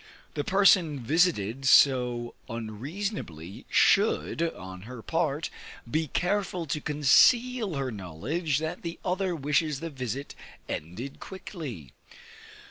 The person visited so unseasonably, should, on her part, be careful to conceal her knowledge that the other wishes the visit ended quickly.